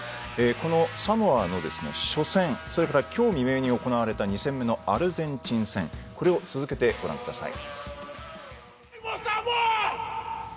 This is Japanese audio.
このサモアの初戦それから今日未明に行われたアルゼンチン戦これを続けてご覧ください。